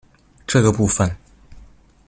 這個部分